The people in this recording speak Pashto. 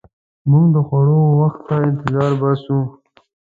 موږ د خوړو وخت ته انتظار باسو.